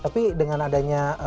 tapi dengan adanya